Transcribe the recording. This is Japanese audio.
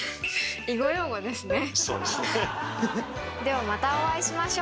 囲碁用語ですね。